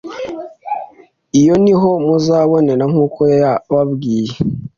iyo ni ho muzamubonera, nk’uko yababwiye